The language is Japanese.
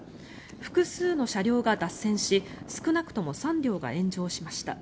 複数の車両が脱線し少なくとも３両が炎上しました。